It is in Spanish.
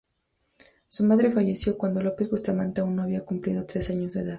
Su madre falleció cuando López Bustamante aún no había cumplido tres años de edad.